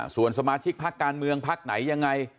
ส่วนสมาชิกพักการเมืองพักไหนยังไง